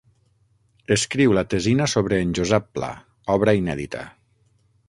Escriu la tesina sobre en Josep Pla, obra inèdita.